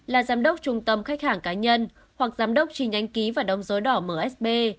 là giám đốc trung tâm khách hàng cá nhân hoặc giám đốc tri nhánh ký và đóng dối đỏ msb